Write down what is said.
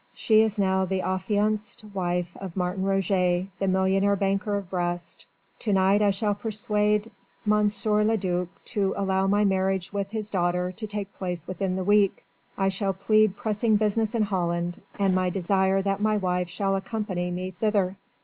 "She is now the affianced wife of Martin Roget the millionaire banker of Brest. To night I shall persuade M. le duc to allow my marriage with his daughter to take place within the week. I shall plead pressing business in Holland and my desire that my wife shall accompany me thither.